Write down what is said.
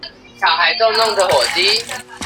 小孩逗弄著火雞